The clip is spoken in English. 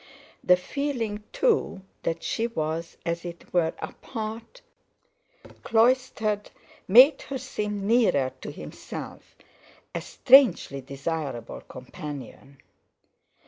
The feeling, too, that she was, as it were, apart, cloistered, made her seem nearer to himself, a strangely desirable companion.